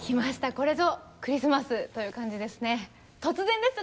これぞクリスマスという感じですね。